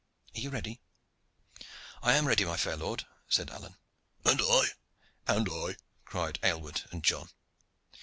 Are you ready?" "I am ready, my fair lord," said Alleyne. "And I," "And I," cried Aylward and John.